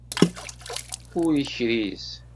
Ur ikriz.